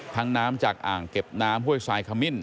น้ำจากอ่างเก็บน้ำห้วยทรายขมิ้น